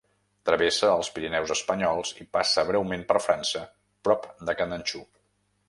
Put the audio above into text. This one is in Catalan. Travessa els Pirineus espanyols i passa breument per França, prop de Candanchú.